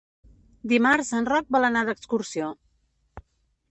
Dimarts en Roc vol anar d'excursió.